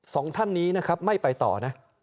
สองท่านนี้นะครับไม่ไปต่อนะ